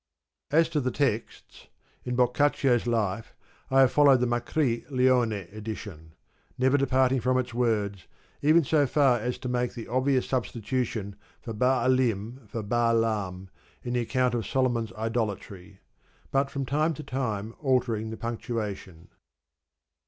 — As to the texts, in Boc caccio's Life I have followed the Macri Leone edition ; never departing from its words, even so far as to make the obvious substitution of Baalim for Balaam in the account of Solomon's idolatry; but from time to time altering the punctuation.